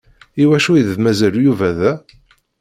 Iwacu i d-mazal Yuba da?